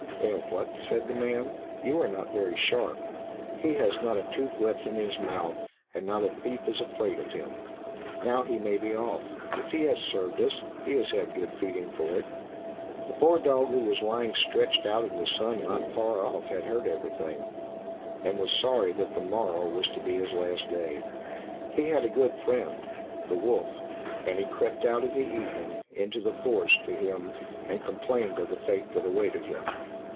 "Eh! what?" said the man. "You are not very sharp. He has not a tooth left in his mouth, and not a thief is afraid of him; now he may be off. If he has served us, he has had good feeding for it." The poor dog, who was lying stretched out in the sun not far off, had heard everything, and was sorry that the morrow was to be his last day. He had a good friend, the wolf, and he crept out in the evening into the forest to him, and complained of the fate that awaited him.